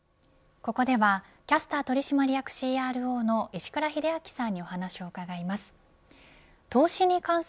ここではキャスター取締役ＣＲＯの石倉秀明さんにお話を伺います。